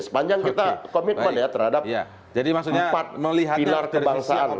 sepanjang kita komitmen ya terhadap empat pilar kebangsaan